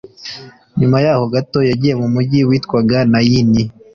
nyuma yaho gato yagiye mu mugi witwaga nayini